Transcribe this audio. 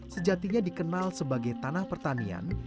sejatinya dikenal sebagai tanah pertanian